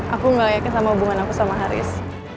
aku gak yakin sama hubungan aku sama haris